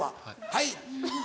はい。